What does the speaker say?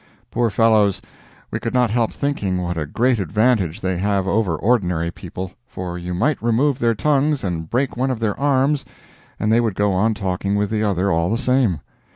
Poor fellows; we could not help thinking what a great advantage they have over ordinary people, for you might remove their tongues and break one of their arms, and they would go on talking with the other all the same.